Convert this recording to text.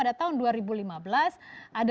dalam mobilnya lima triliun dolar